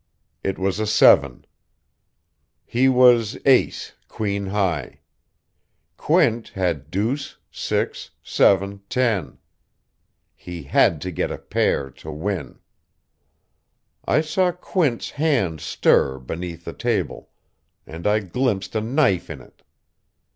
It was a seven. He was ace, queen high. Quint had deuce, six, seven, ten. He had to get a pair to win.... "I saw Quint's hand stir, beneath the table; and I glimpsed a knife in it.